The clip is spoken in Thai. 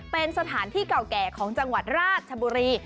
เป็นสถานที่เก่าแก่ของจังหวัดราชบุรี